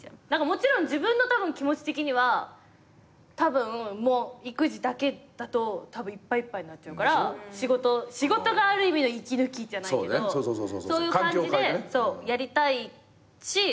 もちろん自分の気持ち的にはたぶん育児だけだといっぱいいっぱいになっちゃうから仕事がある意味息抜きじゃないけどそういう感じでやりたいし。